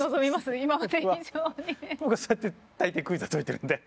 僕はそうやって大抵クイズを解いてるんで。